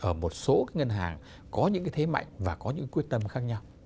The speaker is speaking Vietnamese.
ở một số ngân hàng có những cái thế mạnh và có những quyết tâm khác nhau